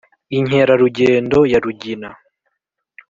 Inkerarugendo ya rugina,